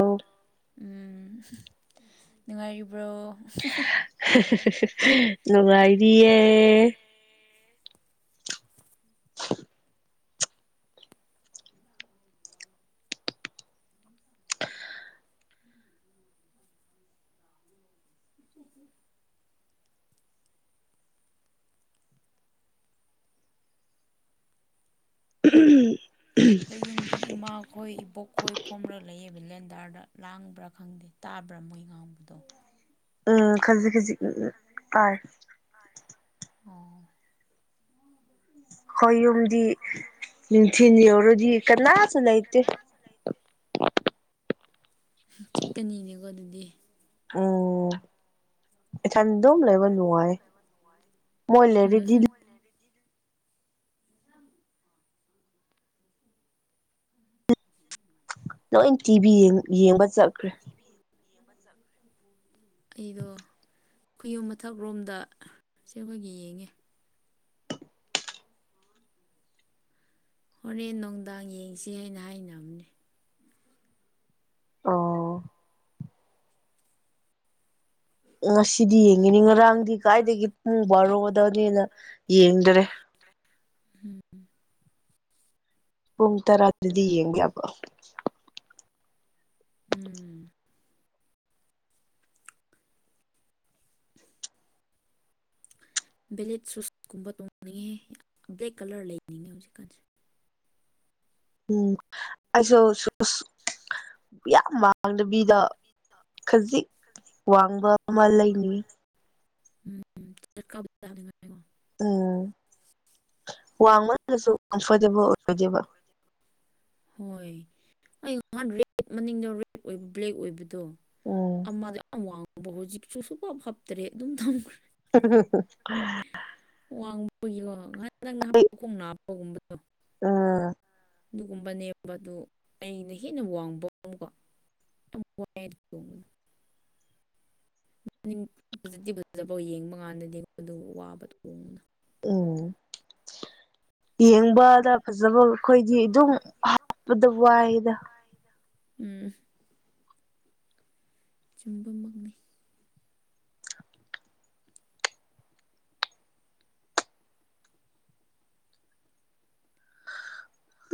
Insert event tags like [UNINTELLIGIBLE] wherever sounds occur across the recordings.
ꯑꯣ ꯎꯝ ꯅꯨꯡꯉꯥꯏꯔꯤꯕ꯭ꯔꯣ ꯅꯨꯡꯉꯥꯏꯔꯤꯑꯌꯦ ꯎꯝ ꯑꯩꯈꯣꯏ ꯌꯨꯝꯗꯤ ꯏꯃꯥ ꯑꯩꯈꯣꯏ ꯏꯕꯣꯛ ꯈꯣꯏ ꯐꯣꯝꯕꯒ ꯂꯩꯌꯦꯕ ꯂꯦꯟꯗꯥꯔꯗ ꯂꯥꯡꯕ꯭ꯔꯥ ꯈꯪꯗꯦ ꯇꯥꯕ꯭ꯔꯥ ꯃꯣꯏ ꯉꯥꯡꯕꯗꯣ ꯎꯝ ꯈꯖꯤꯛ ꯈꯖꯤꯛ ꯎ ꯇꯥꯔ ꯑꯣ ꯍꯨꯝꯗꯤ ꯅꯤꯡꯊ ꯔꯣꯗꯤ ꯀꯅꯥꯁꯨ ꯂꯩꯇ‌ꯦ ꯆꯤꯛꯀꯅꯤꯅꯦꯀꯣ ꯑꯗꯨꯗꯤ ꯎꯝ ꯏꯊꯟ ꯗꯨꯝ ꯂꯩꯕ ꯅꯨꯡꯉꯥꯏ ꯃꯣꯏ ꯂꯩꯔꯤꯗꯤ ꯎꯝꯍꯨꯝ ꯅꯣꯏ ꯇꯤꯚꯤ ꯌꯦꯡꯕ ꯆꯠꯈ꯭ꯔꯦ ꯑꯩꯗꯣ ꯈꯨꯌꯨꯝ ꯃꯊꯛ ꯂꯣꯝꯗ ꯁꯤ ꯑꯩꯈꯣꯏꯒꯤ ꯌꯦꯡꯉꯤ ꯍꯣꯔꯦꯟ ꯅꯨꯡꯗꯥꯡ ꯌꯦꯡꯁꯤ ꯍꯥꯏꯅ ꯍꯥꯏꯅꯕꯅꯦ ꯑꯣ ꯉꯁꯤꯗꯤ ꯌꯦꯡꯉꯤꯅꯤ ꯉꯔꯥꯡꯗꯤ ꯀꯥꯏꯗꯒꯤ ꯄꯨꯡ ꯕꯥꯔꯣꯒꯗꯧꯅꯤꯅ ꯌꯦꯡꯗꯔꯦ ꯍꯝ ꯄꯨꯡ ꯇꯔꯥꯗꯗꯤ ꯌꯦꯡꯕ ꯌꯥꯕꯣ ꯎꯝ ꯕꯦꯂꯦꯠ ꯁꯨꯁ ꯀꯨꯝꯕ ꯇꯣꯡꯅꯤꯡꯉꯦ ꯕ꯭ꯂꯦꯛ ꯀꯂꯔ ꯂꯩꯅꯤꯡꯉꯦ ꯍꯧꯖꯤꯛꯀꯥꯟꯁꯦ ꯎꯝ ꯑꯩꯁꯨ ꯆꯁ ꯌꯥꯝꯌꯥꯝ ꯃꯥꯡꯗꯕꯤꯗ ꯈꯖꯤꯛ ꯋꯥꯡꯕ ꯑꯃ ꯂꯩꯅꯤ [UNINTELLIGIBLE] ꯎꯝ ꯋꯥꯡꯃꯗꯁꯨ ꯀꯝꯐꯣꯔꯇꯦꯕꯜ ꯑꯣꯏꯔꯣꯏꯗꯦꯕ ꯍꯣꯏ ꯑꯩ ꯉꯍꯥꯟ ꯔꯦꯠ ꯃꯅꯤꯡꯗꯣ ꯔꯦꯠ ꯑꯣꯏꯕ ꯕ꯭ꯂꯦꯛ ꯑꯣꯏꯕ ꯑꯗꯣ ꯎꯝ ꯑꯃꯗꯤ ꯍꯧꯖꯤꯛꯁꯨ ꯁꯨꯐꯚꯥꯞ ꯇꯔꯦꯠ ꯑꯗꯨꯝ ꯊꯝꯈ꯭ꯔꯦ [UNINTELLIGIBLE] ꯋꯥꯡꯕꯒꯤꯀꯣ ꯉꯥꯏꯍꯥꯛ ꯅꯪꯅ ꯍꯥꯞꯄ ꯈꯣꯡ ꯍꯥꯞꯄꯒꯨꯝꯕꯗꯣ ꯎꯝ ꯨꯅꯦꯝꯕꯗꯨ ꯑꯩꯅ ꯍꯦꯟꯅ ꯋꯥꯡꯕꯀꯣ ꯃ ꯍꯧꯖꯤꯛꯇꯤ ꯐꯖꯐꯥꯎ ꯌꯦꯡꯕ ꯀꯥꯟꯗꯗꯤ ꯑꯩꯉꯣꯏꯗꯨ ꯋꯥꯕ ꯊꯣꯡꯅ ꯎꯝ ꯌꯦꯡꯕꯗ ꯐꯖꯕ ꯑꯩꯈꯣꯏꯗꯤ ꯑꯗꯨꯝ ꯍꯥꯄꯗ ꯋꯥꯏꯗ ꯎꯝ ꯆꯨꯝꯕ ꯃꯪꯅꯩ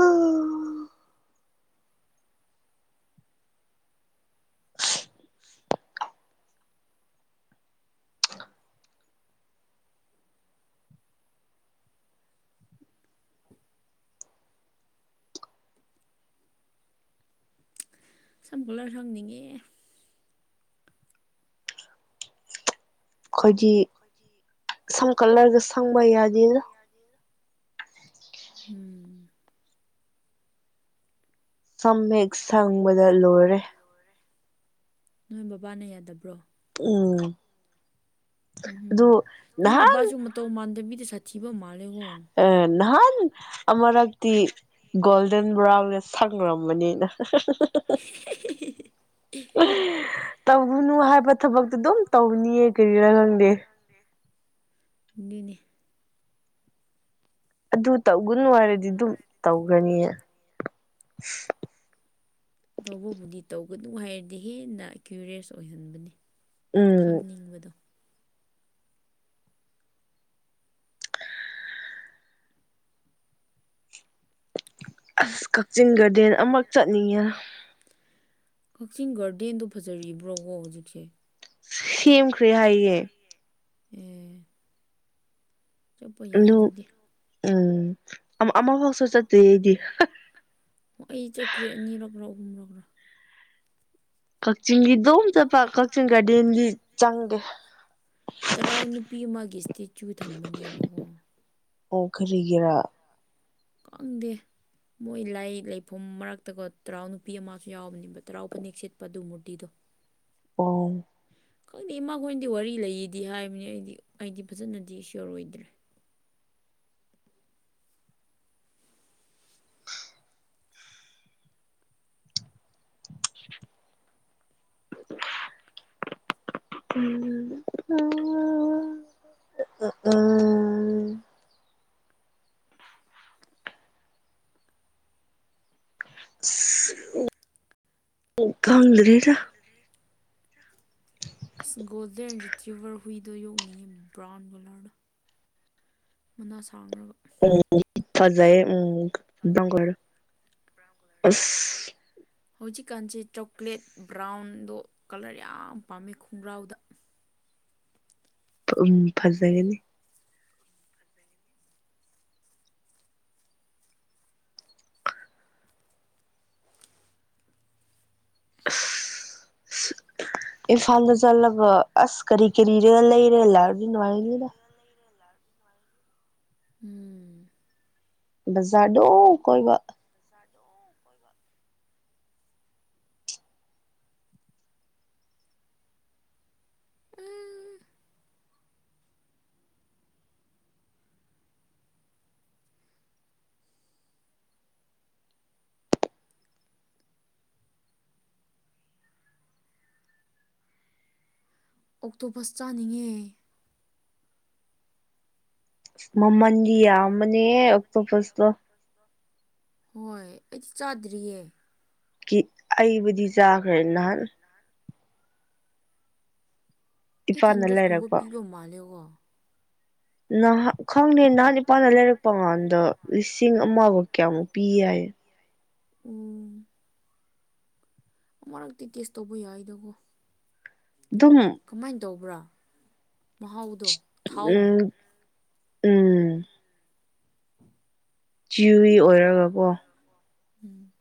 ꯑꯩꯈꯣꯏꯗꯤ ꯁꯝ ꯀꯂꯔ ꯁꯪꯅꯤꯡꯉꯦ ꯑꯩꯈꯣꯏꯗꯤ ꯁꯝ ꯀꯂꯔꯒ ꯁꯪꯕ ꯌꯥꯗꯦꯗ ꯎꯝ ꯁꯝꯍꯦꯛ ꯁꯪꯕꯗ ꯂꯣꯏꯔꯦ ꯅꯣꯏ ꯕꯕꯥꯅ ꯌꯥꯗꯕ꯭ꯔꯣ ꯎꯝ ꯑꯗꯨ ꯎꯝ ꯅꯣꯏ ꯕꯕꯥꯁꯨꯨ ꯃꯇꯧ ꯃꯥꯟꯗꯕꯤꯗ ꯁꯥꯊꯤ ꯑ ꯅꯍꯥꯟ ꯑꯃꯔꯛ ꯇꯤ ꯒꯣꯜꯗꯟ ꯕ꯭ꯔꯥꯎꯟꯒ ꯁꯪꯈ꯭ꯔꯕꯅꯤꯅ [UNINTELLIGIBLE] ꯇꯧꯒꯨꯅꯨ ꯍꯥꯏꯕ ꯊꯕꯛꯇꯨ ꯑꯗꯨꯝ ꯇꯧꯅꯤꯌꯦ ꯀꯔꯤꯔꯥ ꯈꯪꯗꯦ ꯅꯤ ꯑꯗꯨ ꯇꯧꯒꯅꯨ ꯍꯥꯏꯔꯗꯤ ꯑꯗꯨꯝ ꯇꯧꯒ꯭ꯔꯥꯅꯤꯌꯦ [UNINTELLIGIBLE] ꯇꯧꯕꯕꯨꯗꯤ ꯇꯧꯒꯅꯨ ꯍꯥꯏꯔꯗꯤ ꯍꯦꯟꯅ ꯀ꯭ꯌꯨꯔꯦꯁ ꯑꯣꯏꯍꯟꯕꯅꯤ ꯎꯝ ꯈꯪꯅꯤꯡꯕꯗꯣ ꯑꯁ ꯀꯛꯆꯤꯡ ꯒꯥꯔꯗꯦꯟ ꯑꯃꯨꯛ ꯆꯠꯅꯤꯡꯉꯦ ꯀꯛꯆꯤꯡ ꯒꯥꯔꯗꯦꯟꯗꯨ ꯐꯖꯔꯤꯕ꯭ꯔꯣꯀꯣ ꯍꯧꯖꯤꯛꯁꯦ ꯁꯦꯝꯈꯔꯤ ꯍꯥꯏꯌꯦ ꯑꯦ ꯆꯠꯄ ꯌꯥꯏ ꯑꯗꯨ ꯑꯗꯨꯗꯤ ꯎꯝ ꯑꯃ ꯇꯛꯁꯨ ꯆꯠ ꯑꯩ ꯆꯠꯈꯦ ꯅꯤꯔꯛꯔꯥ ꯍꯨꯝꯔꯛꯔ ꯀꯛꯆꯤꯡꯒꯤꯗꯣꯝ ꯆꯠꯄ ꯀꯛꯆꯤꯡ ꯒꯥꯔꯗꯦꯟꯗꯤ ꯆꯪꯗꯦ ꯇꯔꯥꯎ ꯅꯨꯄꯤ ꯑꯃꯒꯤ ꯏꯁꯇꯦꯆꯨ ꯊꯝꯕꯅꯦꯕꯀꯣ ꯑꯣ ꯀꯔꯤ ꯒꯤꯔꯥ ꯈꯪꯗꯦ ꯃꯣꯏ ꯂꯥꯏ ꯂꯩꯐꯝ ꯃꯔꯛꯇꯀꯣ ꯇꯔꯥꯎ ꯅꯨꯄꯤ ꯑꯃꯁꯨ ꯌꯥꯎꯕꯅꯦꯕ ꯇꯔꯥꯎ ꯐꯅꯦꯛ ꯁꯤꯠꯄ ꯑꯗꯨ ꯃꯨꯔꯇꯤꯗꯣ [INAUDIBLE] ꯑꯣ ꯈꯪꯗꯦ ꯏꯃꯥꯈꯣꯏꯅꯗꯤ ꯋꯥꯔꯤ ꯂꯩꯌꯦꯗꯤ ꯍꯥꯏꯕꯅꯤ ꯑꯩꯗꯤ ꯑꯩꯗꯤ ꯐꯖꯅꯗꯤ ꯏꯁꯌꯣꯔ ꯑꯣꯏꯗ꯭ꯔꯦ ꯎꯝ ꯑ ꯎꯝ ꯈꯪꯗꯔꯤꯗ ꯑꯁ ꯒꯣꯜꯗꯦꯟ ꯔꯤꯇ꯭ꯤꯚꯔ ꯍꯨꯏꯗꯣ ꯌꯣꯛꯅꯤꯡꯉꯤ ꯕ꯭ꯔꯥꯎꯟ ꯀꯂꯔꯗꯣ ꯃꯅꯥꯁꯛ ꯎꯝ ꯐꯖꯥꯏ ꯎꯝ ꯅꯥꯀꯣꯏꯔꯣ ꯑꯁ ꯍꯧꯖꯤꯛꯀꯥꯟꯁꯦ ꯆꯣꯀ꯭ꯂꯦꯠ ꯕ꯭ꯔꯥꯎꯟꯗꯣ ꯀꯂꯔ ꯌꯥꯝ ꯄꯥꯝꯃꯦ ꯈꯣꯡꯒ꯭ꯔꯥꯎꯗ ꯎꯝ ꯐꯖꯒꯅꯤ [UNINTELLIGIBLE] ꯏꯐꯥꯗ ꯆꯂꯒ ꯑꯁ ꯀꯔꯤ ꯀꯔꯤꯔꯦ ꯂꯩꯔꯦ ꯂꯥꯛ ꯅꯅꯨꯡꯉꯥꯏꯅꯤꯗ ꯎꯝ ꯕꯖꯥꯗꯣ ꯀꯣꯏꯕ ꯎꯝ ꯑꯣꯛꯇꯣ ꯕꯁ ꯆꯥꯅꯤꯡꯉꯦ ꯃꯃꯟꯗꯤꯌꯥ ꯃꯅꯦ ꯑꯣꯛꯇꯣ ꯕꯁꯇꯣ ꯍꯣꯏ ꯑꯩꯗꯤ ꯆꯥꯗ꯭ꯔꯤꯌꯦ ꯑꯩꯕꯨꯗꯤ ꯆꯥꯈ꯭ꯔꯦ ꯅꯍꯥꯟ ꯑꯩꯠ ꯏꯄꯥꯅ ꯍꯟꯗ꯭ꯔꯦꯠꯀꯨꯝꯕ ꯄꯤꯕ ꯃꯥꯜꯂꯦꯀꯣ ꯅꯍꯥꯛ ꯈꯪꯗꯦ ꯅꯍꯥꯥꯟ ꯅꯤꯄꯥꯥꯟꯗ ꯂꯩꯔꯛꯄ ꯀꯥꯟꯗ ꯂꯤꯁꯤꯡ ꯑꯃꯐꯧ ꯀꯌꯥꯃꯨꯛ ꯄꯤꯌꯦ ꯇꯌꯦ ꯎꯝ ꯑꯃꯨꯔꯛꯇꯤ ꯇꯦꯁ ꯇꯧꯕ ꯌꯥꯏꯗꯀꯣ ꯑꯗꯨꯝ ꯀꯃꯥꯏꯅ ꯇꯧꯕ꯭ꯔꯥ ꯃꯍꯥꯎꯗꯣ ꯊꯥꯎꯃꯨꯛ ꯎꯝ ꯎꯝ ꯨꯖꯤꯋꯤꯏ ꯑꯣꯏꯔꯒꯀꯣ ꯎꯝ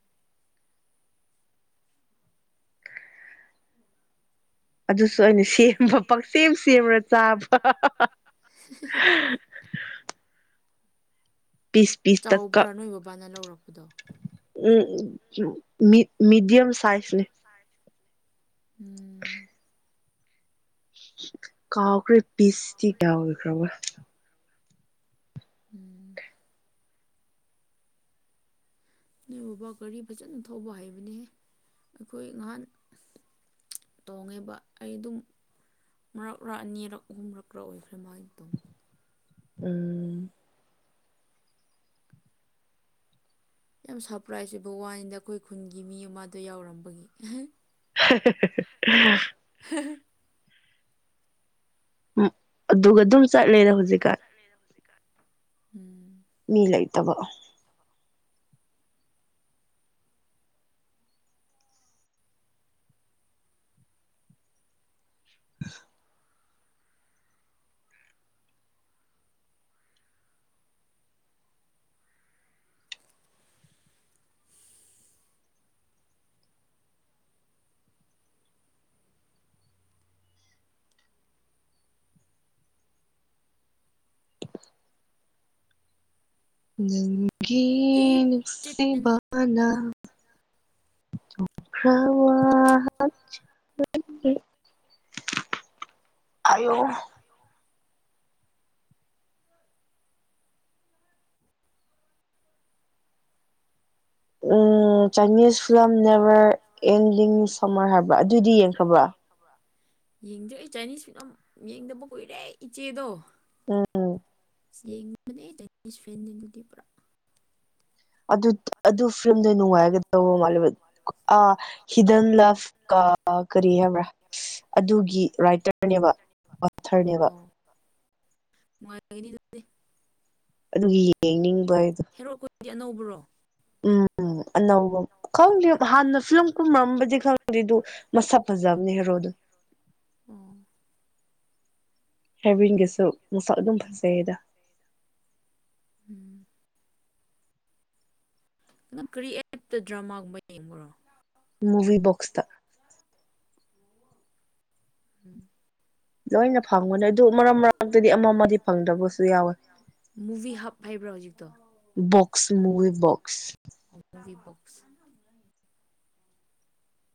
ꯑꯗꯨꯁꯨ ꯑꯩꯅ ꯁꯦꯝꯕ ꯄꯥꯛꯁꯦꯝ ꯁꯦꯝꯔ ꯆꯥꯕ [UNINTELLIGIBLE] ꯄꯤꯁ ꯄꯤꯁꯇ ꯆꯥꯎꯕ꯭ꯔꯥ ꯀꯛ ꯅꯣꯏ ꯕꯕꯥꯅ ꯂꯧꯔꯛꯄꯗꯣ ꯃꯤ ꯃꯤꯗꯤꯌꯝ ꯁꯥꯏꯖꯅꯦ ꯎꯝ ꯀꯥꯎꯈꯔ ꯄꯁꯇꯤ ꯇ ꯏꯈ꯭ꯔꯕ ꯎꯝ ꯃꯤ ꯎꯕꯥ ꯀꯔꯤ ꯐꯖꯅ ꯊꯧꯕ ꯍꯥꯏꯕꯅꯤ ꯑꯩꯈꯣꯏ ꯉꯍꯥꯟ ꯇꯣꯡꯉꯦꯕ ꯑꯩ ꯑꯗꯨꯝ ꯃꯔꯛꯂ ꯑꯅꯤꯔꯛ ꯑꯍꯨꯝ ꯃꯔꯛ꯭ꯔ ꯑꯣꯏꯈ꯭ꯔꯦꯃꯥꯏꯅ ꯇꯣꯡ ꯎꯝ ꯌꯥꯝ ꯁꯔꯄ꯭ꯔꯥꯏꯖ ꯑꯣꯏ ꯕ ꯋꯥꯅꯤꯗ ꯑꯩꯈꯣꯏ ꯈꯨꯟꯒꯤ ꯃꯤ ꯑꯃꯗꯣ ꯌꯥꯎꯔꯝꯕꯒꯤ ꯑꯦꯍ [UNINTELLIGIBLE] ꯎꯝ ꯑꯗꯨꯒ ꯑꯗꯨꯝ ꯆꯠꯂꯦꯔ ꯍꯧꯖꯤꯛꯀꯥꯟ ꯎꯝ ꯃꯤ ꯂꯩꯇꯕ [UNINTELLIGIBLE] ꯅꯪꯒꯤ ꯀ꯭ꯔꯤꯞ ꯆꯤꯛꯀꯟ ꯅꯨꯡꯁꯤꯕꯥ ꯅꯥ [UNINTELLIGIBLE] ꯑꯌꯣ ꯑꯝ ꯆꯥꯏꯅꯤꯁ ꯐꯤꯂꯝ ꯅꯦꯕꯔ ꯑꯦꯡꯂꯤꯡ ꯁꯣꯃꯔ ꯍꯥꯏꯕ ꯑꯗꯨꯏꯗꯤ ꯌꯦꯡꯈ꯭ꯔꯕ꯭ꯔꯣ ꯌꯦꯡꯗꯦ ꯑꯩ ꯆꯥꯏꯅꯤꯁ ꯐꯤꯂꯝ ꯌꯦꯡꯗꯕ ꯀꯨꯏꯔꯦ ꯏꯆꯦꯗꯣ ꯎꯝ ꯌꯦꯡꯕꯅꯦ ꯂꯩꯒꯤ ꯐ꯭ꯔꯦꯟꯅꯤ ꯑꯗꯨꯗꯤ ꯄꯨꯔꯥ ꯑꯗꯨ ꯑꯗꯨ ꯐꯤꯂꯝꯗꯨ ꯉꯥꯏꯒꯗꯕ ꯃꯜꯂ‌ꯦ ꯑꯥ ꯍꯤꯗꯟ ꯀ ꯀꯔꯤ ꯍꯥꯏꯕꯔꯥ ꯑꯗꯨꯒꯤ ꯔꯥꯠꯇꯔꯅ‌ꯦꯕ ꯑꫭꯔꯊꯔꯅ‌ꯦꯕ ꯃꯗ [UNINTELLIGIBLE] ꯑꯗꯨꯒꯤ ꯌꯦꯡꯅꯤꯡꯕ ꯑꯩꯗꯣ ꯒꯤ ꯑꯅꯧꯕꯔꯣ ꯑꯅꯧꯕ ꯈꯪꯗꯦ ꯍꯥꯟꯅ ꯐꯤꯂꯝ ꯀꯨꯝꯃꯛꯑꯝꯕꯗꯤ ꯈꯪꯗꯦ ꯑꯗꯨ ꯃꯁꯛ ꯐꯖꯕꯅꯦ ꯍꯦꯔꯣꯗꯣ ꯎꯝ ꯍꯥꯏꯥꯏꯕꯤꯟꯒꯁꯨ ꯃꯁꯛ ꯑꯗꯨꯝ ꯐꯖꯩꯗ ꯎꯝ ꯅꯪ ꯀꯔꯤ ꯑꯦꯞꯇ ꯗ꯭ꯔꯃꯥꯒꯨꯝꯕ ꯌꯦꯡꯕꯨꯔꯣ ꯃꯨꯕꯤꯕꯣꯛꯁꯗ ꯎꯝ ꯂꯣꯏꯅ ꯐꯪꯒꯅꯤ ꯑꯗꯨ ꯃꯔꯛ ꯃꯔꯛꯇꯗꯤ ꯑꯃꯃ ꯐꯪꯗꯕꯁꯨ ꯌꯥꯎꯋꯦ ꯐꯩꯕ꯭ꯔꯥ ꯍꯧꯖꯤꯛꯇꯣ ꯑꯁ ꯃꯨꯕꯤꯐꫭꯛꯁ ꯑ [UNINTELLIGIBLE]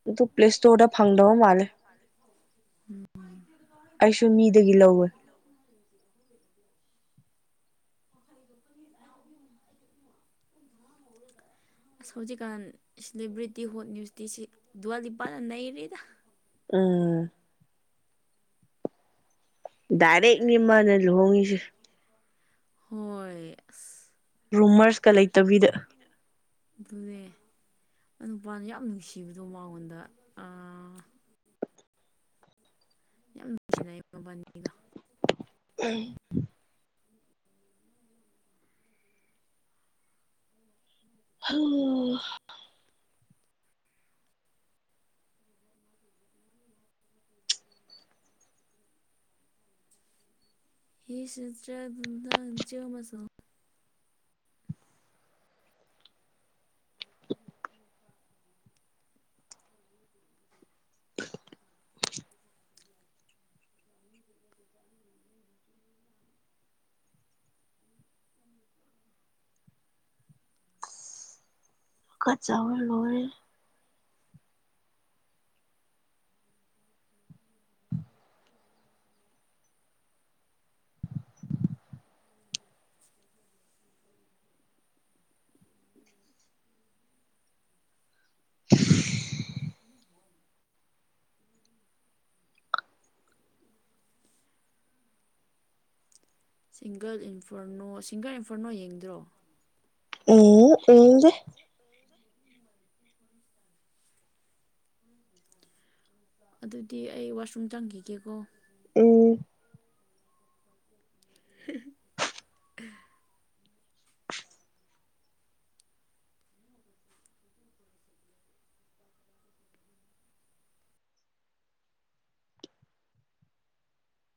ꯑꯗꫭ ꯄ꯭ꯂꯦꯁꯇꫭꯔꯗ ꯐꯪꯗꯕ ꯃꯥꯜꯂꯦ ꯎꯝ ꯑꯩꯁꯨ ꯃꯤꯗꯒꯤ ꯂꯧꯋꯦ [INAUDIBLE] ꯑꯁ ꯍꯧꯖꯤꯛꯀꯥꯟ ꯁꯦꯂꯦꯕ꯭ꯔꯤꯇꯤ ꯍꯣꯠ ꯅ꯭ꯌꯨꯁꯇꯤ ꯁꯤ ꯗꯨꯋꯥꯂꯤꯄꯥꯅ ꯅꯩꯔꯤꯗ ꯎꯝ ꯗꯥꯏꯔꯦꯛꯅꯤꯦꯝꯃꯅ ꯂꯨꯍꯣꯡꯉꯤꯁꯦ ꯍꯣꯏ ꯑꯁ ꯔꯨꯃꯔꯁꯀ ꯂꯩꯇꯕꯤꯗ ꯑꯗꯨꯅ‌ꯦ ꯃꯥꯏ ꯅꯨꯄꯥꯅ ꯌꯥꯝ ꯅꯨꯡꯁꯤꯕꯗꯣ ꯃꯉꯣꯟꯗ ꯌꯥꯝ ꯅꯨꯡꯁꯤꯅꯩ ꯃꯕꯥꯅꯤꯗꯣ ꯎꯝ ꯑꯣ ꯍ ꯁꯁꯙ ꯆ ꯃꯁꯜ [UNINTELLIGIBLE] ꯀ ꯆꯥꯕꯜ ꯂꯣꯏꯔꯦ ꯁꯤꯡꯒꯜ ꯏꯟꯐꯔꯅꯣ ꯁꯤꯡꯒꯜ ꯏꯟꯐꯔꯅꯣ ꯌꯦꯡꯗ꯭ꯔꯣ ꯎꯝ ꯌ‌ꯦꯡꯅꯤꯡꯗ‌ꯦ ꯑꯗꯨꯗꯤ ꯑꯩ ꯋꯥꯁꯔꯨꯝ ꯆꯪꯈꯤꯒꯦꯀꯣ ꯎꯝ [INAUDIBLE]